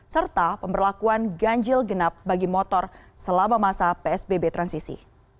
serta pemberlakuan ganjil genap bagi motor selama masa psbb transisi